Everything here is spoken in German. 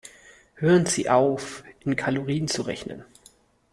Hören Sie auf, in Kalorien zu rechnen.